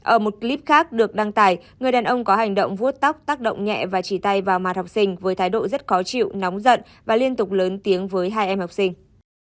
ở một clip khác được đăng tải người đàn ông có hành động vuốt tóc tác động nhẹ và chỉ tay vào mặt học sinh với thái độ rất khó chịu nóng giận và liên tục lớn tiếng với hai em học sinh